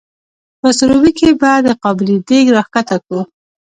په سروبي کې به د قابلي دیګ را ښکته کړو؟